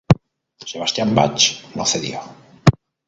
Sebastian Bach no cedió.